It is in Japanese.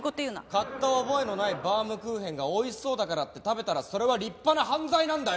買った覚えのないバウムクーヘンが美味しそうだからって食べたらそれは立派な犯罪なんだよ！